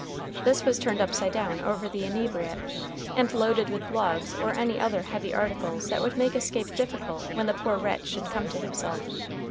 This was turned upside down over the inebriate, and loaded with logs or any other heavy articles that would make escape difficult when the poor wretch should come to himself.